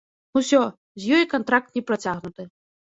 Усё, з ёй кантракт не працягнуты.